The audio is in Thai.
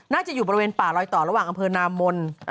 น่าจะอยู่บริเวณป่าร้อยต่อระหว่างอำเภอนามมล